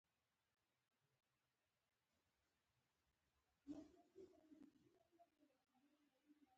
د کابل په خاک جبار کې د سمنټو مواد شته.